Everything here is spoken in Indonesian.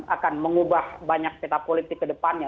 akan mengubah banyak peta politik ke depannya